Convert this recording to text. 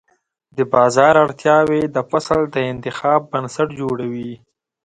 د بازار اړتیاوې د فصل د انتخاب بنسټ جوړوي.